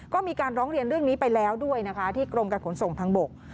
ก็มีการร้องเรียนเรื่องนี้ไปแล้วด้วยนะคะที่กรมการขนส่งทางบก